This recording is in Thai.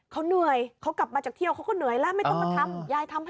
เขาเหนื่อยเขากลับมาจากเที่ยวเขาก็เหนื่อยแล้วไม่ต้องมาทำยายทำให้